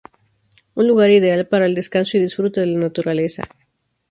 Un lugar ideal para el descanso y disfrute de la naturaleza.